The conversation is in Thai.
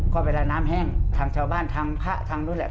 ก็เวลาน้ำแห้งทางชาวบ้านทางผ้าทางรู้แรก